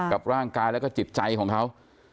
กับร่างกายแล้วก็จิตใจของเขา